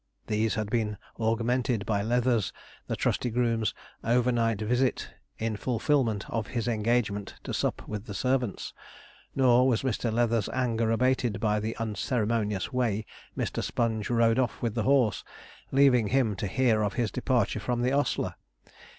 These had been augmented by Leather's, the trusty groom's, overnight visit, in fulfilment of his engagement to sup with the servants. Nor was Mr. Leather's anger abated by the unceremonious way Mr. Sponge rode off with the horse, leaving him to hear of his departure from the ostler.